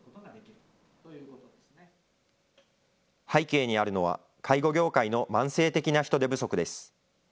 背景にあるのは、介護業界の慢性的な人手不足です。